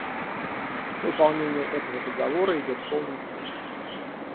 Выполнение этого Договора идет полным ходом.